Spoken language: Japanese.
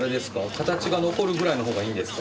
形が残るくらいのほうがいいんですか？